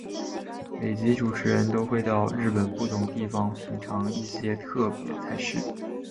每集主持人都会到日本不同地方品尝一些特别菜式。